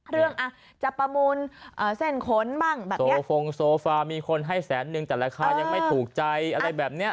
เรื่องจะประมูลเส้นขนบ้างแบบนี้โซฟงโซฟามีคนให้แสนนึงแต่ราคายังไม่ถูกใจอะไรแบบนี้